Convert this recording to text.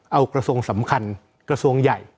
เอากระทรวงสำคัญกระทรวงใหญ่